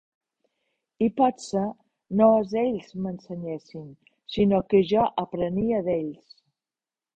I potser no és ells m'ensenyessin, sinó que jo aprenia d'ells.